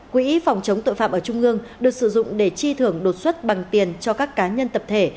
quỹ phòng chống tội phạm ở trung ương được sử dụng để chi thưởng đột xuất bằng tiền cho các cá nhân tập thể